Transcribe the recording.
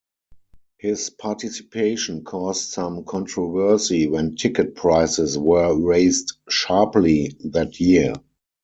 His participation caused some controversy when ticket prices were raised sharply that year.